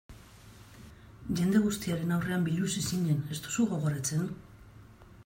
Jende guztiaren aurrean biluzi zinen, ez duzu gogoratzen?